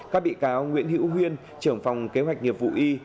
các bị cáo nguyễn hữu huyên trưởng phòng kế hoạch nghiệp vụ y